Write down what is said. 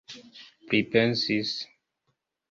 pripensis